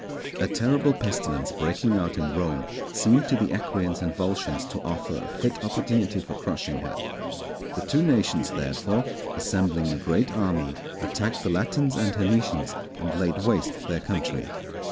_ A terrible pestilence breaking out in Rome seemed to the Equians and Volscians to offer a fit opportunity for crushing her. The two nations, therefore, assembling a great army, attacked the Latins and Hernicians and laid waste their country.